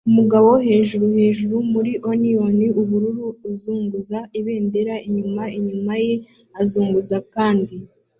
Umugabo wo hejuru hejuru muri Union Ubururu azunguza ibendera inyuma inyuma ye azunguza kandi